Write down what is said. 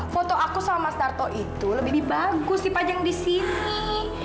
foto aku sama mas tarto itu lebih bagus dipajang di sini